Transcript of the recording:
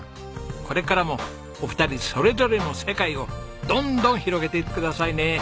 これからもお二人それぞれの世界をどんどん広げていってくださいね。